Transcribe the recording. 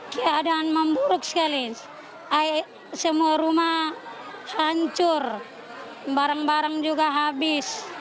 keadaan memburuk sekali semua rumah hancur barang barang juga habis